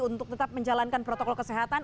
untuk tetap menjalankan protokol kesehatan